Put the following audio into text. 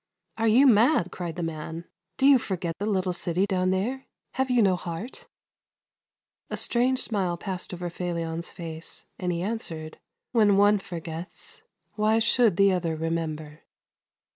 " Are you mad ?" cried the man. " Do you forget the little city down there ? Have you no heart ?" A strange smile passed over Felion's face, and he answered :" When one forgets why should the other remember?